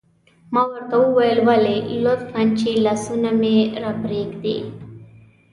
ما ورته وویل: ولې؟ لطفاً، چې لاسونه مې را پرېږدي.